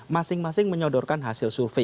masing masing menyodorkan hasil survei